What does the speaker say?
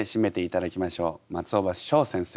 松尾葉翔先生